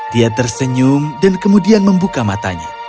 dia tersenyum dan kemudian membuka matanya